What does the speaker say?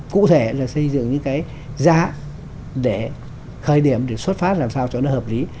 cụ thể là xây dựng những cái giá để khởi điểm thì xuất phát làm sao cho nó hợp lý